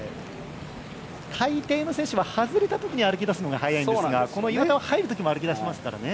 大抵の選手は外れたときに歩きだすのが早いんですがこの岩田は入るときも歩きだしますからね。